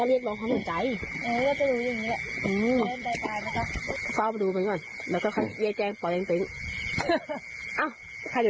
เออก็จะรู้อย่างนี้